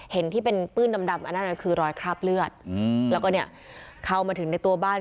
เห็นที่เป็นปื้นดำอันนั้นคือรอยคราบเลือดแล้วก็เนี่ยเข้ามาถึงในตัวบ้าน